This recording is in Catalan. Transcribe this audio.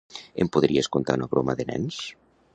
Em podries contar una broma de nens?